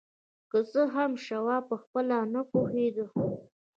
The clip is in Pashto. که څه هم شواب پخپله نه پوهېده.